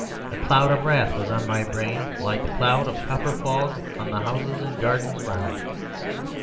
A cloud of wrath was on my brain, like the cloud of copper fog on the houses and gardens round.